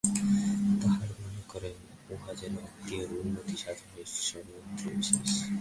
তাঁহারা মনে করেন, উহা যেন আত্মার উন্নতিসাধনের যন্ত্রবিশেষ।